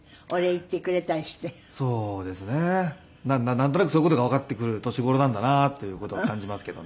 なんとなくそういう事がわかってくる年頃なんだなという事を感じますけどね。